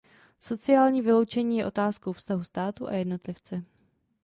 Sociální vyloučení je otázkou vztahu státu a jednotlivce.